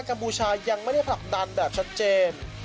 กบูชายังไม่ได้ผลักดันแบบชัดเจน